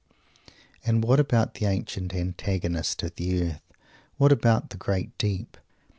And what about the ancient antagonist of the Earth? What about the Great Deep?